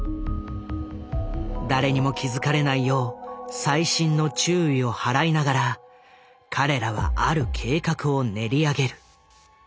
誰にも気付かれないよう細心の注意を払いながら彼らはある計画を練り上げる。